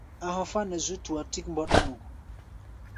A̧ hɔfá̧ nɛ zú tua tík mbɔ́ɗɔ́nu.